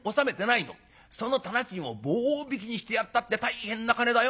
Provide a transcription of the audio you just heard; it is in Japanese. その店賃を棒引きにしてやったって大変な金だよ？